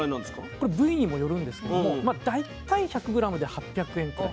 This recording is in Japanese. これ部位にもよるんですけども大体１００ｇで８００円くらいと。